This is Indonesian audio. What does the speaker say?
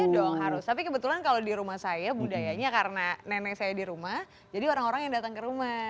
iya dong harus tapi kebetulan kalau di rumah saya budayanya karena nenek saya di rumah jadi orang orang yang datang ke rumah